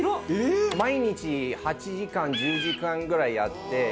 毎日８時間１０時間ぐらいやって。